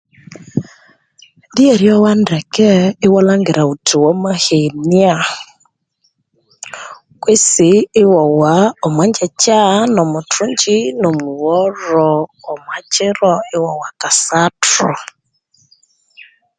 Leryoya ndeke iwalhangira ghuthi wamahenia kwesi ighuwa omwangyacha nomwithungyi nomwigholhu omwakiro ighuwa kasathu